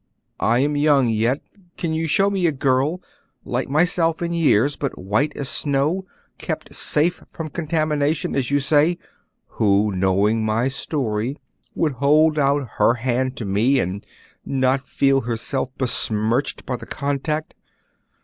I am young yet; can you show me a girl, like myself in years, but white as snow, kept safe from contamination, as you say, who, knowing my story, would hold out her hand to me and not feel herself besmirched by the contact?